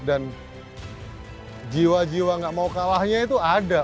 dan jiwa jiwa gak mau kalahnya itu ada